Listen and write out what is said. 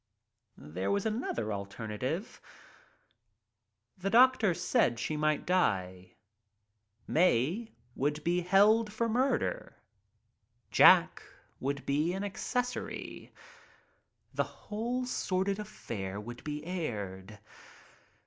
There was another alternative : The doctor said she might die. Mae would be held for murder, Jack would be an accessory. The whole sordid affair would be aired.